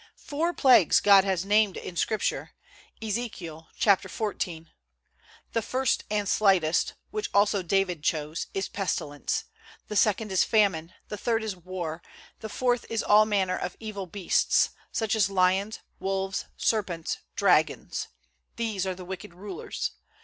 Four plagues God has named in Scripture, Ezekiel xiv. The first and slightest, which also David chose, is pestilence, the second is famine, the third is war, the fourth is all manner of evil beasts, such as lions, wolves, serpents, dragons; these are the wicked rulers.